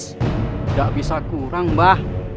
tidak bisa kurang mbah